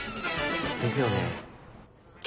ですよね。